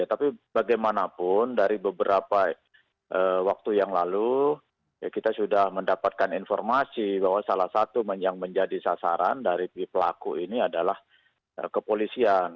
tapi bagaimanapun dari beberapa waktu yang lalu kita sudah mendapatkan informasi bahwa salah satu yang menjadi sasaran dari pelaku ini adalah kepolisian